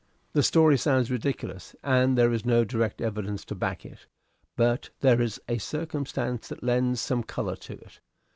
"The story sounds ridiculous, and there is no direct evidence to back it; but there is a circumstance that lends some color to it.